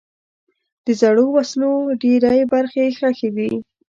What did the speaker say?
د زړو وسلو ډېری برخې ښخي دي.